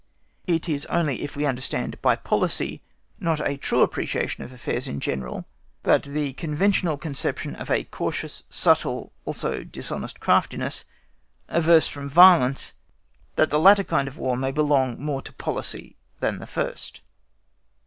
It is only if we understand by policy not a true appreciation of affairs in general, but the conventional conception of a cautious, subtle, also dishonest craftiness, averse from violence, that the latter kind of War may belong more to policy than the first.